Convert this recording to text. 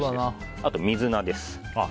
あと水菜です。